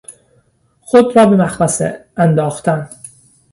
خود را به مخمصه انداختن